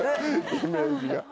イメージが。